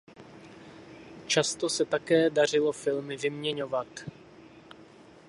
Často se také dařilo filmy vyměňovat.